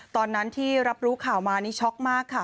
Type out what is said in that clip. ตอนนั้นที่รับรู้ข่าวมานี่ช็อกมากค่ะ